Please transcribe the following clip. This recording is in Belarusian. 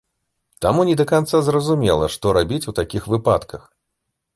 Таму не да канца зразумела, што рабіць у такіх выпадках.